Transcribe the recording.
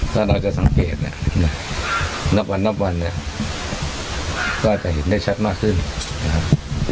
ถ้าเราจะสังเกตเนี่ยนับวันนับวันเนี่ยก็จะเห็นได้ชัดมากขึ้นนะครับ